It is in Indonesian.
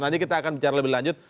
nanti kita akan bicara lebih lanjut